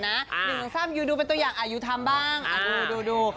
หนึ่งสามยูดูเป็นตัวอย่างอ่ะยูทำบ้างอ่ะดู